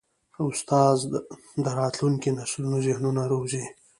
استاد د راتلونکي نسلونو ذهنونه روزي.